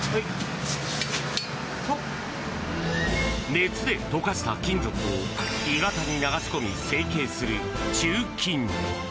熱で溶かした金属を鋳型に流し込み、成形する鋳金。